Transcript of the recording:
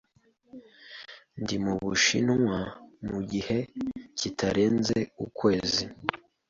Ndi mu Bushinwa mu gihe kitarenze ukwezi.